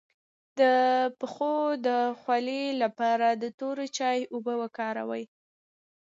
د پښو د خولې لپاره د تور چای اوبه وکاروئ